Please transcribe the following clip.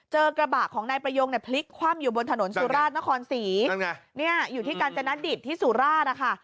กระบะของนายประยงเนี่ยพลิกคว่ำอยู่บนถนนสุราชนครศรีอยู่ที่กาญจนดิตที่สุราชนะคะ